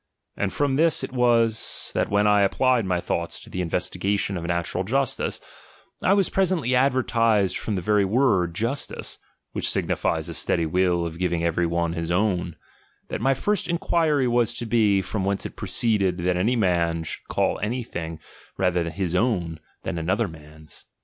And from this it was, that when I applied my thoiights to the investigation of natural justice, I was presently ad vertised from the very v/ord Jtistice, (which signifies a steady will of giving every one his own), that my first enquiry was to be, from whence it proceeded that any man should call anything rather his own, than another man's.